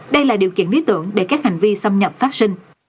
đây là điều kiện lý tưởng để các hành vi xâm nhập phát sinh